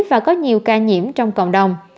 và có nhiều ca nhiễm trong cộng đồng